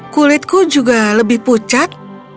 kulitku juga lebih pucat